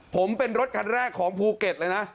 ผมเป็นรถคันแรกของภูเก็ตเลยนะ